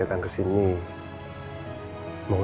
tunggu aku tuh